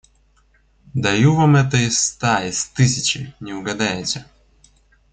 Даю вам это из ста, из тысячи... не угадаете.